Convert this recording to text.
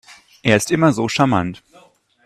Er ist immer so charmant.